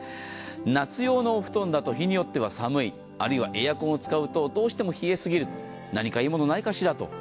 夏用のお布団だと日によっては寒い、あるいはエアコンを使うとどうしても冷えすぎる何かいいものないかしらと。